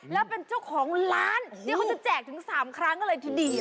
แล้วเป็นเจ้าของร้านที่เขาจะแจกถึง๓ครั้งกันเลยทีเดียว